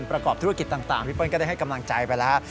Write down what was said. ประกอบธุรกิจต่างพี่เปิ้ลก็ได้ให้กำลังใจไปแล้ว